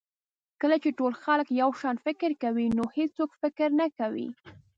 کله چې ټول خلک یو شان فکر کوي نو هېڅوک فکر نه کوي.